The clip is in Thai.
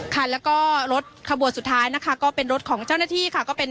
คันแล้วก็รถขบวนสุดท้ายนะคะก็เป็นรถของเจ้าหน้าที่ค่ะก็เป็น